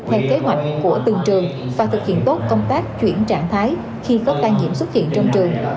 theo kế hoạch của từng trường và thực hiện tốt công tác chuyển trạng thái khi có ca nhiễm xuất hiện trong trường